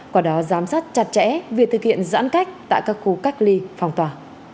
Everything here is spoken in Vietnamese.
quả đó giám sát chặt chẽ việc thực hiện giãn cách tại các khu cách ly phòng tòa